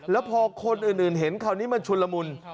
แล้วพอคนอื่นเห็นคราวนี้มันชุนละมุน